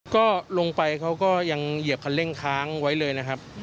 ก็ลงไปเขาก็ยังเหยียบคันเร่งค้างไว้เลยนะครับ